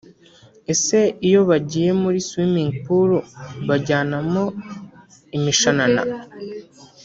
Ese iyo bagiye muri swimming pool bajyanamo imishanana